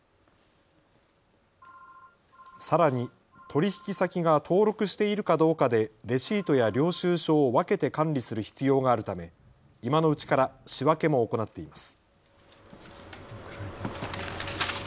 さらに取引先が登録しているかどうかでレシートや領収書を分けて管理する必要があるため今のうちから仕分けも行っています。